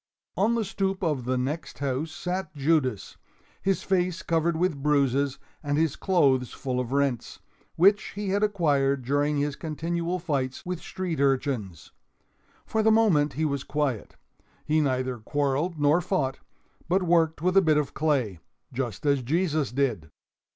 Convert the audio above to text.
On the stoop of the next house sat Judas, his face covered with bruises and his clothes full of rents, which he had acquired during his continual fights with street urchins. For the moment he was quiet, he neither quarreled nor fought, but worked with a bit of clay, just as Jesus did.